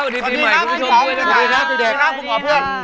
สวัสดีครับคุณหมอเพื่อน